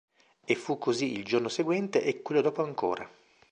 E fu così il giorno seguente e quello dopo ancora.